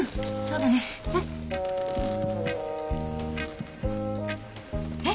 そうだね。え！